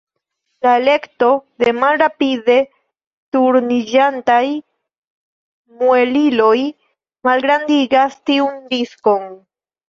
La elekto de malrapide turniĝantaj mueliloj malgrandigas tiun riskon.